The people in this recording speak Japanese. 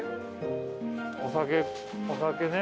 お酒お酒ね。